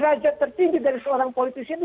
rakyat tertinggi dari seorang politisi itu